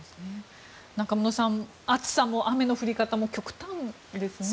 中室さん、暑さも雨の降り方も極端ですね。